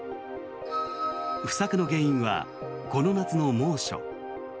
不作の原因はこの夏の猛暑。